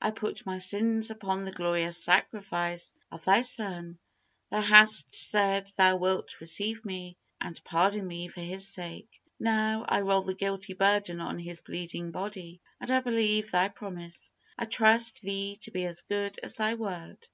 I put my sins upon the glorious sacrifice of Thy Son. Thou hast said Thou wilt receive me, and pardon me for His sake. Now, I roll the guilty burden on His bleeding body, and I believe Thy promise, I trust Thee to be as good as Thy word."